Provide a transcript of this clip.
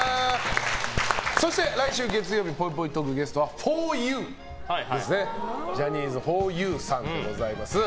そして、来週月曜日ぽいぽいトークのゲストはジャニーズのふぉゆさんでございます。